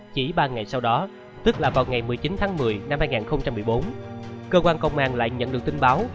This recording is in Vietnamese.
chỉ ba ngày sau đó tức là vào ngày một mươi chín tháng một mươi năm hai nghìn một mươi bốn cơ quan công an lại nhận được tin báo